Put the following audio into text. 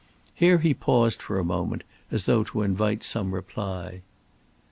Here he paused for a moment as though to invite some reply.